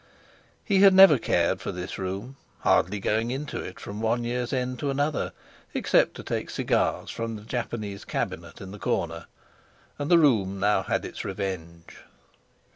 He had never cared for this room, hardly going into it from one year's end to another, except to take cigars from the Japanese cabinet in the corner, and the room now had its revenge.